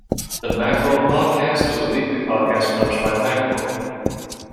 The Macworld Podcast was a weekly podcast published by Macworld.